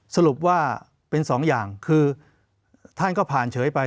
สรุปว่าเป็นสองอย่างคือท่านก็ผ่านเฉยไป